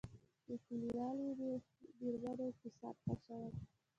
د کلیوالي میرمنو اقتصاد ښه شوی؟